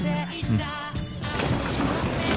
うん。